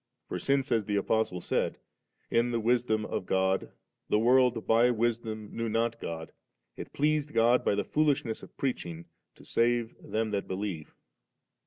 For since, as the Apostie said, ' in the wisdom of God the world by wisdom knew not God, it pleased God by the foolishness of preaching to save them that believe^.'